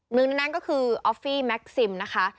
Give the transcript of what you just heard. หนึ่งในนั้นก็คือออฟฟี่แม็กซิมนะคะ